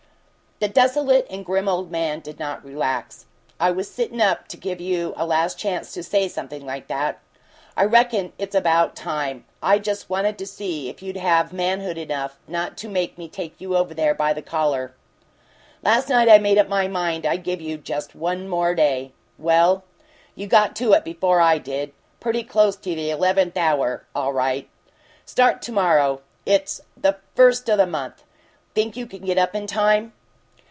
The desolate and grim old man did not relax. "I was sittin' up to give you a last chance to say something like that. I reckon it's about time! I just wanted to see if you'd have manhood enough not to make me take you over there by the collar. Last night I made up my mind I'd give you just one more day. Well, you got to it before I did pretty close to the eleventh hour! All right. Start in to morrow. It's the first o' the month. Think you can get up in time?"